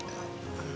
barang dikasih gaya